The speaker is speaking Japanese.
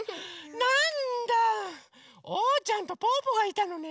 なんだおうちゃんとぽぅぽがいたのね。